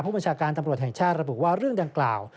ประชาการตำรวจแห่งชาติระบุว่าเรื่องดังกล่าว